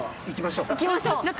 いきましょう。